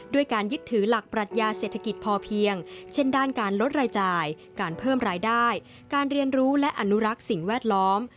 ด้วยการยึดถือหลักปรัชญาเศรษฐกิจพอเพียงเช่นด้านการลดรายจ่ายการเพิ่มรายได้การเรียนรู้และอนุรักษ์สิ่งแวดล้อม